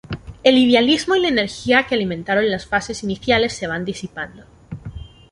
El idealismo y la energía que alimentaron las fases iniciales se van disipando.